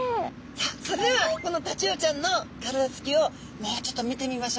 さあそれではこのタチウオちゃんの体つきをもうちょっと見てみましょうね。